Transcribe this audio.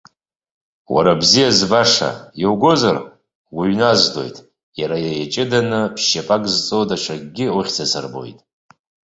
Уара бзиа збаша, иугозар уҩназдоит, иара иаҷыданы ԥшьшьапык зҵоу даҽакгьы ухьӡ асырҳәоит.